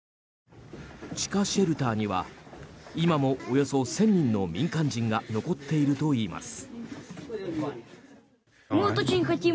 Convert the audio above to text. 地下シェルターには今もおよそ１０００人の民間人が残っているといいます。